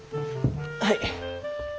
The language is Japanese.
はい。